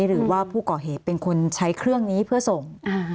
หรือว่าผู้ก่อเหตุเป็นคนใช้เครื่องนี้เพื่อส่ง